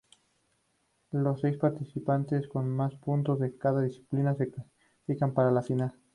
Los seis participantes con más puntos en cada disciplina se clasificaron para la final.